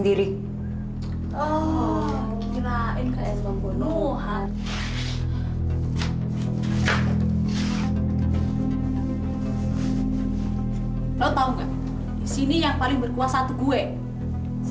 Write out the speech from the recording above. tiap jumat eksklusif di gtv